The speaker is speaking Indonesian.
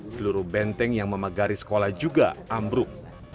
seluruh benteng yang memagari sekolah juga ambruk